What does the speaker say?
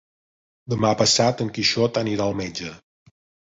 Demà passat en Quixot anirà al metge.